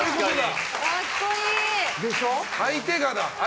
相手が、だ。